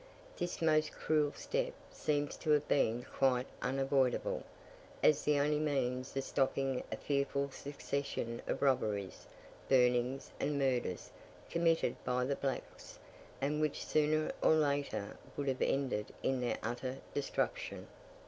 This most cruel step seems to have been quite unavoidable, as the only means of stopping a fearful succession of robberies, burnings, and murders, committed by the blacks; and which sooner or later would have ended in their utter destruction.